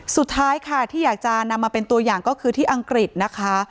สุดท้ายค่ะที่อยากจะนำมาเป็นตัวอย่างก็คือที่อังกฤษนะคะ